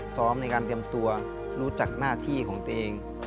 ซ้อมในการเตรียมตัวรู้จักหน้าที่ของตัวเอง